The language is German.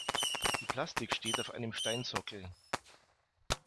Die Plastik steht auf einem Steinsockel.